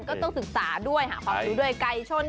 ก็ต้องศึกษาด้วยหาความรู้ด้วยไก่ชน